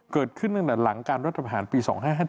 เกิดขึ้นตั้งแต่หลังการรัฐประหารปี๒๕๕๗